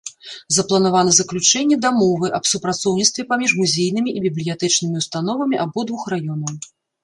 Запланавана заключэнне дамовы аб супрацоўніцтве паміж музейнымі і бібліятэчнымі ўстановамі абодвух раёнаў.